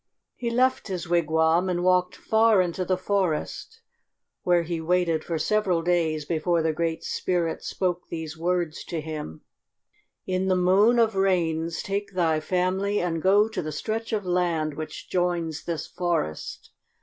He left his wigwam and walked far into the forest, where he waited for several days before the Great Spirit spoke these words to him: "In the moon of rains take thy family and go to the stretch of land which joins this forest.